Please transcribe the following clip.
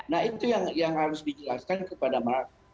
nah itu yang harus dijelaskan kepada masyarakat